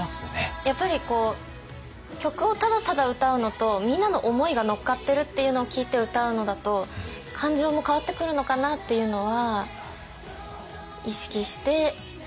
やっぱり曲をただただ歌うのとみんなの思いが乗っかってるっていうのを聞いて歌うのだと感情も変わってくるのかなっていうのは意識してやっぱり伝えてました。